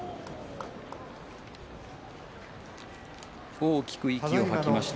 大きく息を吐きました